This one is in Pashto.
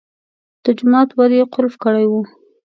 د جومات ور یې قلف کړی و.